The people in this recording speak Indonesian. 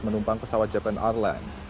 menumpang pesawat japan airlines